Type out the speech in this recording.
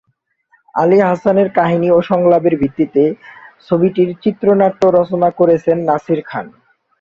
আলী হাসানের কাহিনি ও সংলাপের ভিত্তিতে ছবিটির চিত্রনাট্য রচনা করেছেন নাসির খান।